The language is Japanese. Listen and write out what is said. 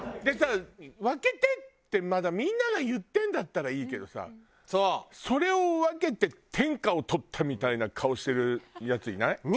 でさ分けてってまだみんなが言ってんだったらいいけどさそれを分けて天下を取ったみたいな顔してるヤツいない？